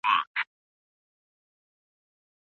هغه وويل چي عدالت وکړئ.